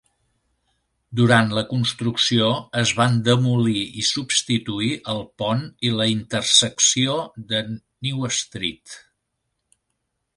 Durant la construcció, es van demolir i substituir el pont i la intersecció de New Street.